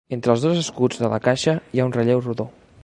Entre els dos escuts de la caixa hi ha un relleu rodó.